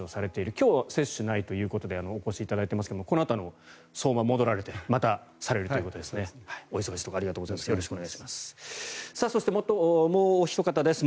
今日は接種がないということでお越しいただいていますがこのあと、相馬に戻られてまたされるということですね。